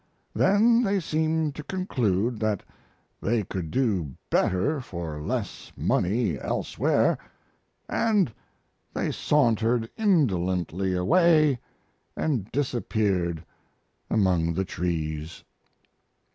Then they seemed to conclude that they could do better for less money elsewhere, and they sauntered indolently away and disappeared among the trees.